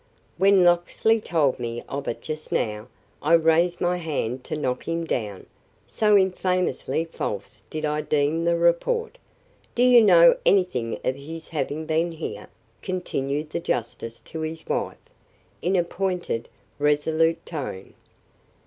When Locksley told me of it just now, I raised my hand to knock him down, so infamously false did I deem the report. Do you know anything of his having been here?" continued the justice to his wife, in a pointed, resolute tone.